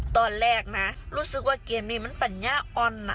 ตอนแรกนะรู้สึกว่าเกมนี้มันปัญญาอ่อน